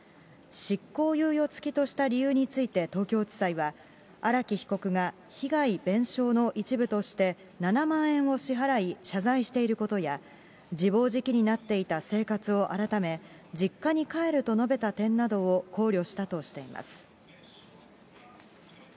執行猶予付きとした理由について東京地裁は、荒木被告が被害弁償の一部として７万円を支払い、謝罪していることや、自暴自棄になっていた生活を改め、実家に帰ると述べた点などを考慮したとしています。